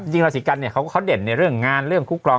ราศีกันเนี่ยเขาเด่นในเรื่องงานเรื่องคุกกรอง